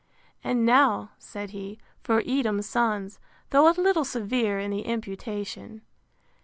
And now, said he, for Edom's Sons. Though a little severe in the imputation.